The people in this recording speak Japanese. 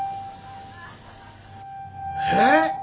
えっ！？